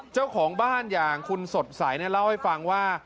เจ้าของบ้านอย่างคุณสดใสเล่าให้ฟังว่า